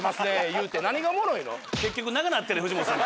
言うて何がおもろいの？